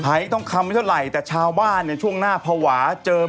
หายทองคับเท่าไรแต่ชาวบ้านช่วงหน้าภาวะเจอหม้อ